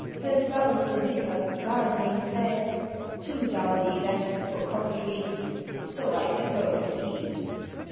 —Her spouse the vicar, gardening, said, "Too dowdy that, for coquetries, So I can hoe at ease."